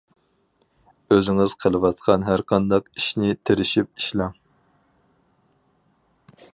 ئۆزىڭىز قىلىۋاتقان ھەرقانداق ئىشنى تىرىشىپ ئىشلەڭ.